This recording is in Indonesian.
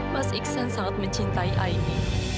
mas iksan sangat mencintai aini